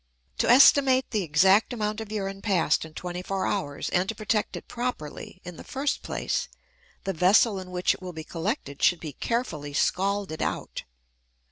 To estimate the exact amount of urine passed in twenty four hours and to protect it properly, in the first place, the vessel in which it will be collected should be carefully scalded out.